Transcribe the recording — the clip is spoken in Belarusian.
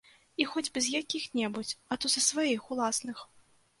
І хоць бы з якіх-небудзь, а то са сваіх уласных.